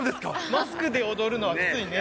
マスクで踊るのはきついね。